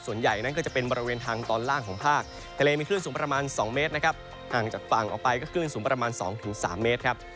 ส่วนใหญ่นั้นก็จะเป็นบริเวณทางตอนล่างของภาคทะเลมีคลื่นสูงประมาณ๒เมตรนะครับ